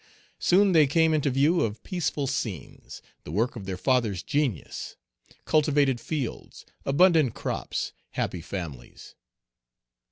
Soon they came into view of peaceful scenes, the work of their father's genius, cultivated fields, abundant crops, happy families.